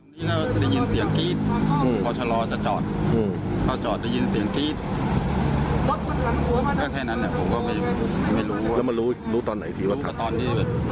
แม่เขาโดดลงไป